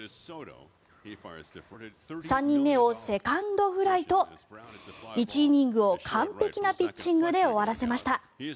３人目をセカンドフライと１イニングを完璧なピッチングで終わらせました。